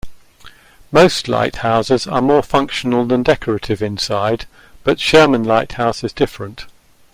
Most lighthouses are more functional than decorative inside, but Sherman Lighthouse is different.